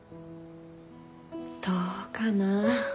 どうかな。